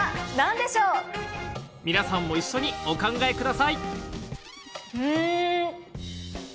皆さんも一緒にお考えくださいん。